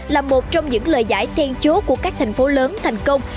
là một trong những lời giải tên chố của các thành phố lớn thành công